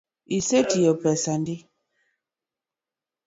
Isetiyo pesa adi?